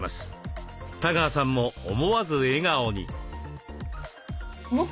多川さんも思わず笑顔に。